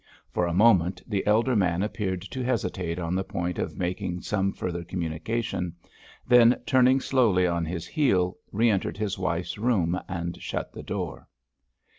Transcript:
For a moment the elder man appeared to hesitate on the point of making some further communication, then, turning slowly on his heel, re entered his wife's room and shut the door.